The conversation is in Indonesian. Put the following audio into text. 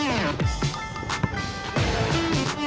saya dari jakarta